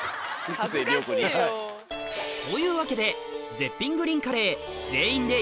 恥ずかしいよ。というわけで絶品グリーンカレー